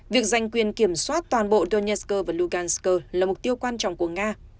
việc giành quyền kiểm soát toàn bộ donetsk và lugansk là mục tiêu quan trọng của nga